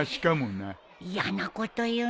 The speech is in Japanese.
嫌なこと言うね。